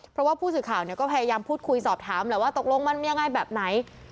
เพราะว่าผู้สื่อข่าวเนี่ยก็พยายามพูดคุยสอบถามแล้วว่าตกลงมันง่ายแบบไหน